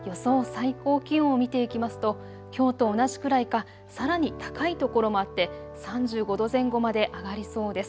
最高気温を見ていきますときょうと同じくらいかさらに高いところもあって３５度前後まで上がりそうです。